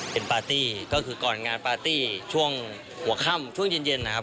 เป็นปาร์ตี้ก็คือก่อนงานปาร์ตี้ช่วงหัวค่ำช่วงเย็นนะครับ